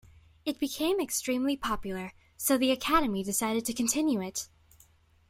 It became extremely popular, so the Academy decided to continue it.